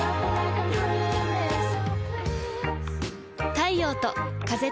太陽と風と